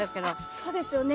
そうですよね。